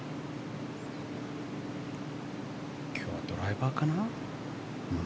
今日、ドライバーかな？